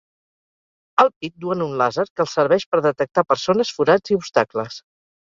Al pit duen un làser que els serveix per detectar persones, forats i obstacles.